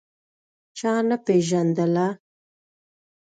چا نه پېژندله.